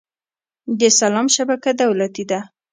د سلام شبکه دولتي ده؟